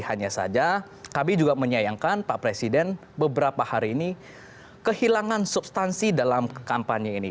hanya saja kami juga menyayangkan pak presiden beberapa hari ini kehilangan substansi dalam kampanye ini